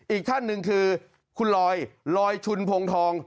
อีกท่านหนึ่งคือคุณลอยลอยชุนพงทอง